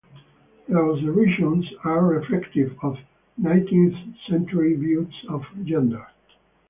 Their observations are reflective of nineteenth-century views of gender.